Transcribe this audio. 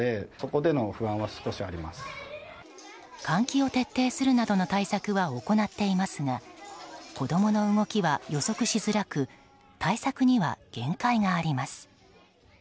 換気を徹底するなどの対策は行っていますが子供の動きは予測しづらく対策には限界があります。